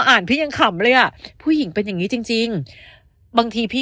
พี่ยังขำเลยอ่ะผู้หญิงเป็นอย่างงี้จริงจริงบางทีพี่